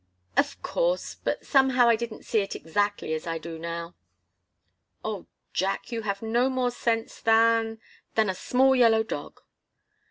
"Of course but somehow I didn't see it exactly as I do now." "Oh, Jack you have no more sense than than a small yellow dog!"